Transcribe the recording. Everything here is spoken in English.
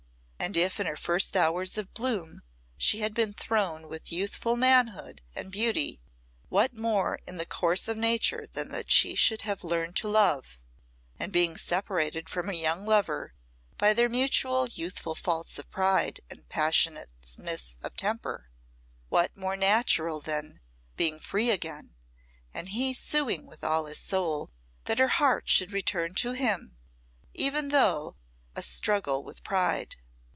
And if in her first hours of bloom she had been thrown with youthful manhood and beauty, what more in the course of nature than that she should have learned to love; and being separated from her young lover by their mutual youthful faults of pride and passionateness of temper, what more natural than, being free again, and he suing with all his soul, that her heart should return to him, even though through a struggle with pride.